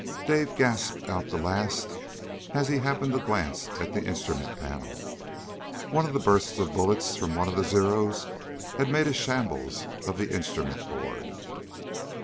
Dave gasped out the last as he happened to glance at the instrument panel. One of the bursts of bullets from one of the Zeros had made a shambles of the instrument board.